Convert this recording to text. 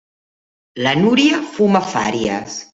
La Núria fuma fàries.